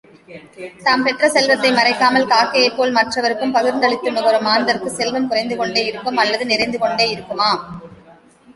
தாம் பெற்ற செல்வத்தை மறைக்காமல், காக்கையைப் போல், மற்றவர்க்கும் பகிர்ந்தளித்து நுகரும் மாந்தர்க்குச் செல்வம் குறைந்துகொண்டேயிருக்குமா அல்லது நிறைந்துகொண்டேயிருக்குமா?